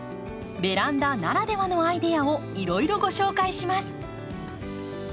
ベランダならではのアイデアをいろいろご紹介します。